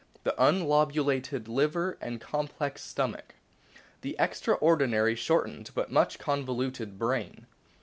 The unlobulated liver and complex stomach. The extraordinarily shortened, but much convoluted, brain.